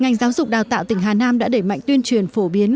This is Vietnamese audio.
ngành giáo dục đào tạo tỉnh hà nam đã đẩy mạnh tuyên truyền phổ biến